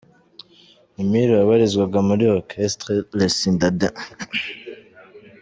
Mimir wabarizwaga muri Orchestre Les Citadins.